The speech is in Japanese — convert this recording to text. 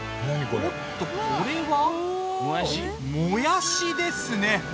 おっとこれはもやしですね。